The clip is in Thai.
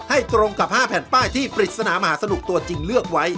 ตรงกับ๕แผ่นป้ายที่ปริศนามหาสนุกตัวจริงเลือกไว้